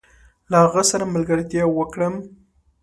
له هغه سره ملګرتيا وکړم؟